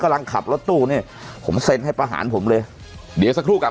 กำลังขับรถตู้นี่ผมเซ็นให้ประหารผมเลยเดี๋ยวสักครู่กลับ